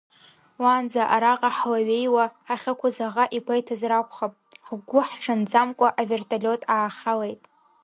Уанӡа араҟа ҳлаҩеиуа ҳахьықәыз аӷа игәаиҭазар акәхап, ҳгәыҳҽанӡамкәа авертолиот аахалеит.